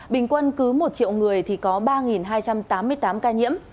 bình quân cứ một triệu người thì có ba hai trăm tám mươi tám ca nhiễm